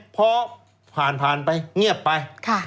พอผ่านไปเงียบไป